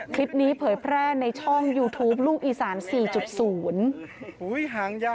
เผยแพร่ในช่องยูทูปลูกอีสาน๔๐